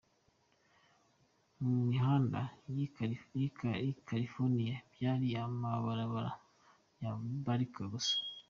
Mu mihanda y'i Catalonia byari amabara ya Barca gusa.